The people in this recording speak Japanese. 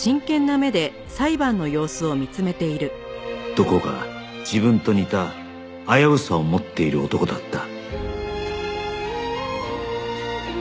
どこか自分と似た危うさを持っている男だった